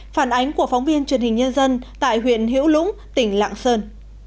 phản ánh của phóng viên truyền hình nhân dân tại huyện hiểu lũng tỉnh lạng sơn